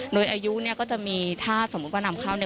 โดยอายุก็จะมีถ้าสมมุติว่านำเข้า